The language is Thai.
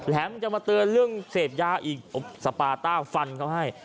มันจะมาเตือนเรื่องเสพยาอีกสปาต้าฟันเขาให้